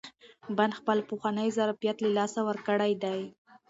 بند خپل پخوانی ظرفیت له لاسه ورکړی دی.